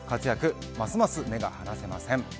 ますます活躍に目が離せません。